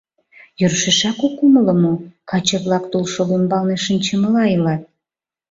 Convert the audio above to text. Йӧршешак ок умыло мо: каче-влак тулшол ӱмбалне шинчымыла илат.